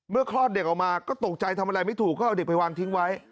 คลอดเด็กออกมาก็ตกใจทำอะไรไม่ถูกก็เอาเด็กไปวางทิ้งไว้